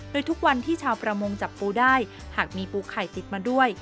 โดยทุกวันที่ชาวประมงจับปูได้หากมีปูไข่ติดมาด้วย